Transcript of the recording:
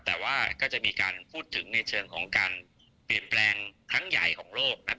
แต่ว่าก็จะมีการพูดถึงในเชิงของการเปลี่ยนแปลงครั้งใหญ่ของโลกนะครับ